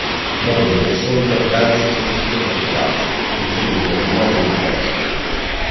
Dopo un duro scontro Banks fu costretto a ritirarsi, inseguito dagli uomini di Jackson.